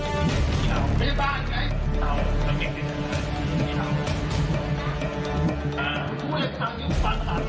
วิธีอุปสรรค์ภอร์ธ